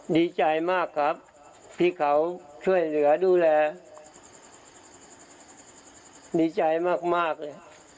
ดีใจมากครับที่เขาช่วยเหลือดูแลดีใจมากเลย